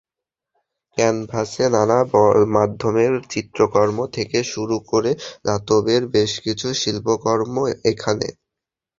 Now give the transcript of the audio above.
ক্যানভাসে নানা মাধ্যমের চিত্রকর্ম থেকে শুরু করে ধাতবের বেশ কিছু শিল্পকর্ম এখানে।